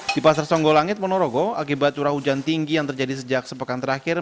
di pasar songgolangit ponorogo akibat curah hujan tinggi yang terjadi sejak sepekan terakhir